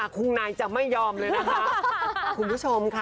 คุณนายจะไม่ยอมเลยนะคะคุณผู้ชมค่ะ